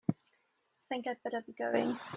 Think I'd better be going.